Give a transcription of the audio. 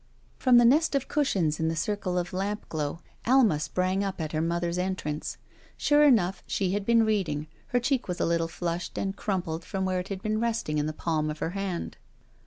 From the nest of cushions in the circle of lamp glow Alma sprang up at her mother's entrance. Sure enough, she had been reading, and her cheek was a little flushed and crumpled from where it had been resting in the palm of her hand.